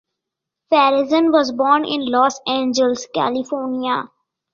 Frazen was born in Los Angeles, California.